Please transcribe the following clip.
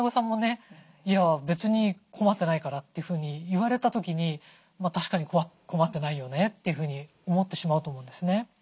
「別に困ってないから」ってふうに言われた時に確かに困ってないよねというふうに思ってしまうと思うんですよね。